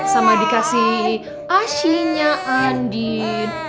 sama dikasih asinya andin